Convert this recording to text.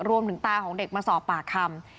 รวมถึงตาของเด็กมาสอบปากคำ